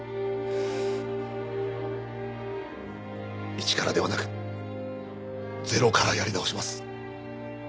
一からではなくゼロからやり直します。